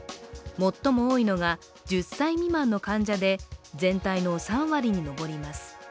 最も多いのが１０歳未満の患者で全体の３割に上ります。